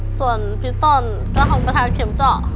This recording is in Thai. ส่วนพี่ตนก็คงไปทางเข็มเจาะ